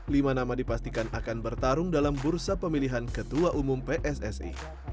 lima nama dipastikan akan bertarung dalam bursa pemilihan ketua umum pssi